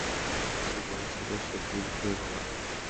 সে বলেছিল, সে পিল খেয়ে ঘুমায়!